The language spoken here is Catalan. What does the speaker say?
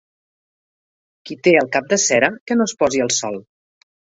Qui té el cap de cera, que no es posi al sol.